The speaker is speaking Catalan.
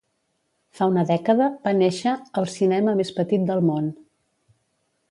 Fa una dècada va néixer “el cinema més petit del món”.